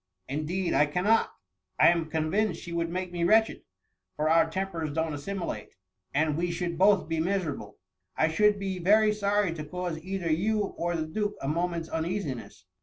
^^ Indeed, I cannot. I am convinced she would make me wretched, for our tempers don^t assimilate, and we should both be miserable. I should be very sorry to cause either you or the duke a moment's uneasiness.